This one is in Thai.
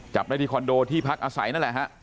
จับได้ที่คอนโดที่พักอาศัยนั่นแหละฮะ